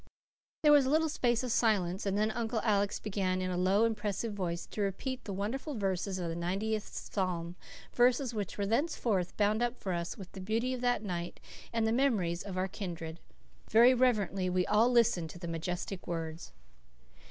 There was a little space of silence; and then Uncle Alec began, in a low, impressive voice, to repeat the wonderful verses of the ninetieth Psalm verses which were thenceforth bound up for us with the beauty of that night and the memories of our kindred. Very reverently we all listened to the majestic words.